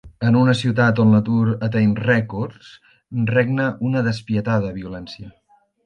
En una ciutat on l'atur ateny rècords regna una despietada violència.